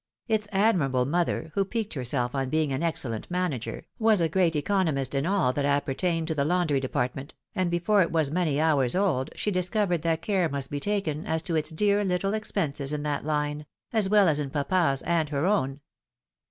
Its admirable mother, who piqued herself on being an excellent manager, was a great economist in aU that appertained to the laundry department, and before it was many hours old she discovered that care must be taken as to its dear little expenses in that line; as well as in its papa's and her own.